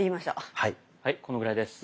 はいこのぐらいです。